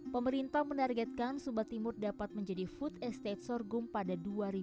pemerintah menargetkan sumba timur dapat menjadi food estate sorghum pada dua ribu dua puluh